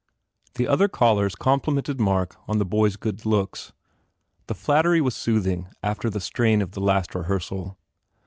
The other callers complimented Mark on the b oy s good looks. The flattery was soothing after the strain of the last rehearsal.